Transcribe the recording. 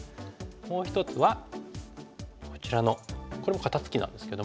もう一つはこちらのこれも肩ツキなんですけども。